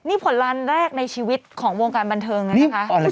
นี่ผลลันแรกในชีวิตของวงการบันเทิงเลยนะคะ